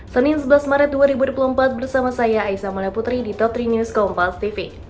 senin sebelas maret dua ribu dua puluh empat bersama saya aisah mada putri di totri news kompastv